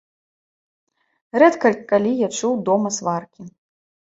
Рэдка калі я чуў дома сваркі.